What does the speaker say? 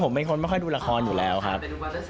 ผมเป็นคนไม่ค่อยดูละครอยู่แล้วครับ